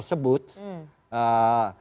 saya tidak menganggap